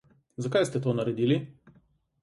Zakaj ste to naredili?